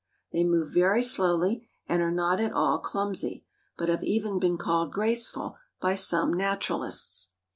They move very slowly and are not at all clumsy, but have even been called graceful by some naturalists.